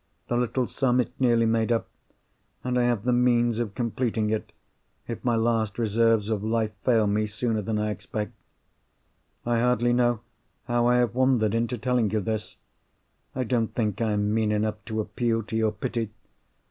The little sum is nearly made up; and I have the means of completing it, if my last reserves of life fail me sooner than I expect. I hardly know how I have wandered into telling you this. I don't think I am mean enough to appeal to your pity.